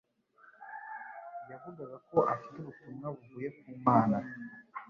Yavugaga ko afite ubutumwa buvuye ku Mana